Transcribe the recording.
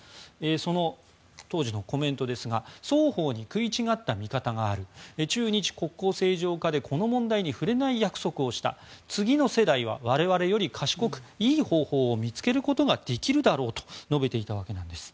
その当時のコメントですが双方に食い違った見方がある中日国交正常化でこの問題に触れない約束をした次の世代は我々より賢くいい方法を見つけることができるだろうと述べていたわけなんです。